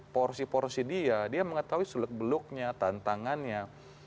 porsi porsi dia dia mengetahui suluk beluknya tantangannya